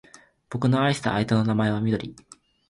俺の愛した相手の名前はみどり